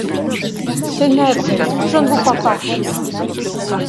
Ténèbres, je ne vous crois pas !